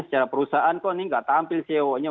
secara perusahaan kok ini nggak tampil ceo nya